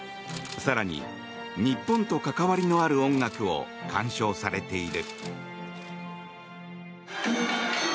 更に、日本と関わりのある音楽を鑑賞されている。